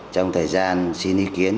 trong thời gian xin ý kiến